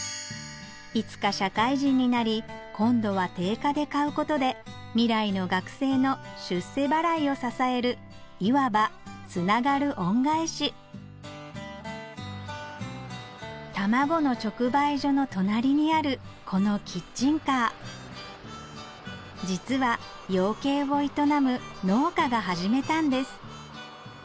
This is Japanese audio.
いつか社会人になり今度は定価で買うことで未来の学生の「出世払い」を支えるいわばつながる恩返し卵の直売所の隣にあるこのキッチンカー実はが始めたんです